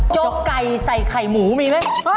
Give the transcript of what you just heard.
จกไก่ใส่ไข่หมูมีไหม